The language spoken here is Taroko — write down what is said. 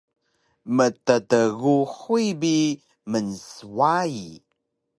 mttguhuy bi mnswayi